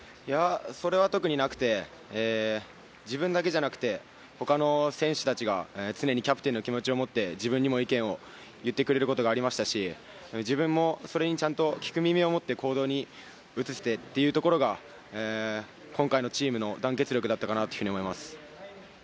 それは特になくて、自分だけじゃなくて他の選手達が常にキャプテンの気持ちを持って、自分にも意見を言ってくれることがありましたし、自分もそれにちゃんと聞く耳を持って行動に移してというところが今回のチームの団結力だったかなと思います。